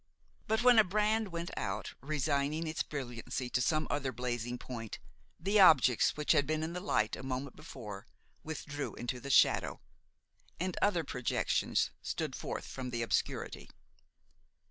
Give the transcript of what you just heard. But when a brand went out, resigning its brilliancy to some other blazing point, the objects which had been in the light a moment before withdrew into the shadow, and other projections stood forth from the obscurity.